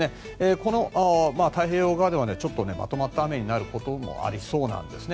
この太平洋側ではまとまった雨になることもありそうなんですね。